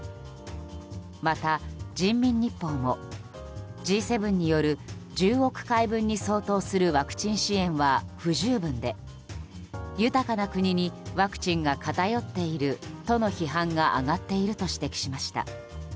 また人民日報も、Ｇ７による１０億回分に相当するワクチン支援は不十分で豊かな国にワクチンが偏っているとの批判が上がっていると指摘しました。